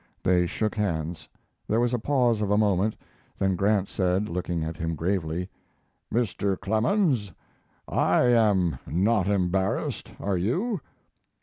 They shook hands; there was a pause of a moment, then Grant said, looking at him gravely: "Mr. Clemens, I am not embarrassed, are you?"